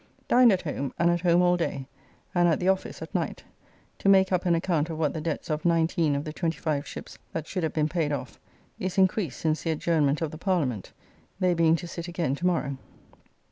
Dined at home, and at home all day, and at the office at night, to make up an account of what the debts of nineteen of the twenty five ships that should have been paid off, is increased since the adjournment of the Parliament, they being to sit again to morrow.